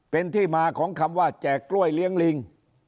เป็นที่มาของคำว่าแจกกล้วยเลี้ยงลิง